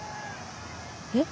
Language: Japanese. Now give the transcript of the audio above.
えっ？